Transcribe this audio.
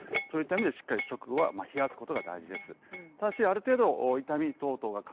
そういった意味でしっかり直後は冷やすことが大事です。